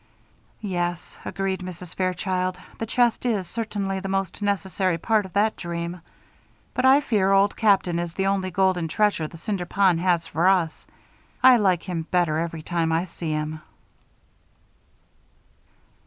"Yes," agreed Mrs. Fairchild, "the chest is certainly the most necessary part of that dream; but I fear Old Captain is the only golden treasure the Cinder Pond has for us: I like him better every time I see him."